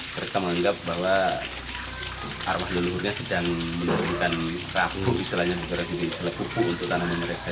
mereka menganggap bahwa armah leluhurnya sedang menurunkan raku misalnya berhasil diisul kuku untuk tanaman mereka